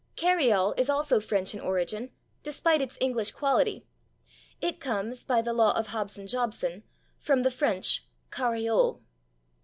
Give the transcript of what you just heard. /Carry all/ is also French in origin, despite its English quality. It comes, by the law of Hobson Jobson, from the French /carriole